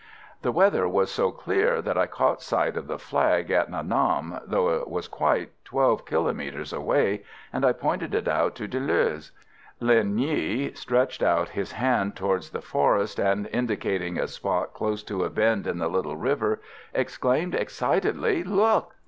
"The weather was so clear that I caught sight of the flag at Nha Nam, though it was quite 12 kilomètres away, and I pointed it out to Deleuze. Linh Nghi stretched out his hand towards the forest, and, indicating a spot close to a bend in the little river, exclaimed excitedly: 'Look!